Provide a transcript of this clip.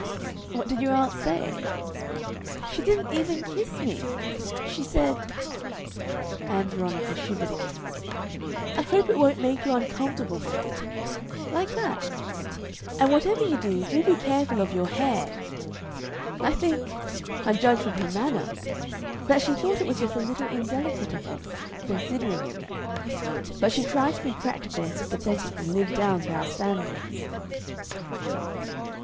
"What did your aunt say?" "She didn't even kiss me. She said" Ann Veronica shivered again "'I hope it won't make you uncomfortable, my dear' like that 'and whatever you do, do be careful of your hair!' I think I judge from her manner that she thought it was just a little indelicate of us considering everything; but she tried to be practical and sympathetic and live down to our standards."